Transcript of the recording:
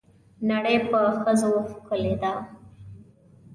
نړۍ په ښځو ښکلې ده.